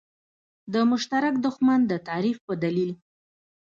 د مشترک دښمن د تعریف په دلیل.